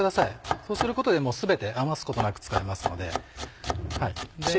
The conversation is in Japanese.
そうすることでもう全て余すことなく使えますので。